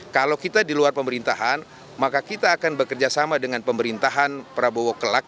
kalau kita di luar pemerintahan maka kita akan bekerjasama dengan pemerintahan prabowo kelak